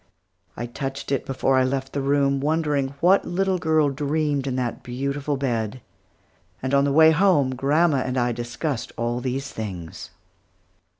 I touched it before I left the room, wondering what the little girl dreamed in that beautiful bed; and on the way home, grandma and I discussed all these things.